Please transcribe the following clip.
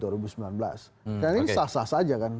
karena ini sah sah saja kan